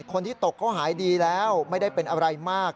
คนที่ตกก็หายดีแล้วไม่ได้เป็นอะไรมาก